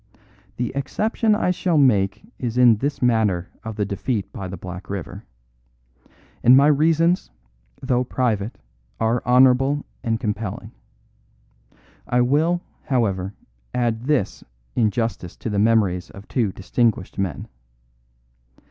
The exception I shall make is in this matter of the defeat by the Black River; and my reasons, though private, are honourable and compelling. I will, however, add this in justice to the memories of two distinguished men.